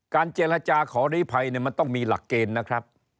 เจรจาขอลีภัยมันต้องมีหลักเกณฑ์นะครับ